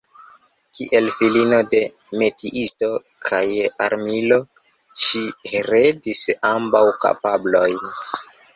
Kiel filino de "metiisto" kaj "armilo" ŝi heredis ambaŭ kapablojn.